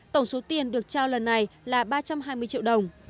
tổng số tiền được trao lần này là ba trăm hai mươi triệu đồng